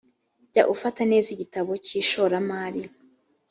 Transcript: jya ufata neza igitabo cy’ishoramari